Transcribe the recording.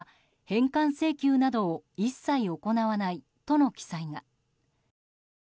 そこには、返還請求などを一切行わないとの記載が。